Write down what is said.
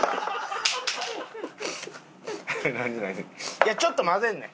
いやちょっと混ぜんねん。